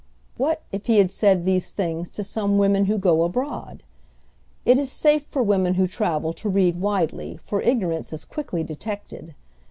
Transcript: What, if he had said these things to some women who go abroad! It is safe for women who travel to read widely, for ignorance is quickly detected.